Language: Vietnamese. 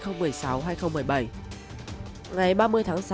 ngày ba mươi tháng sáu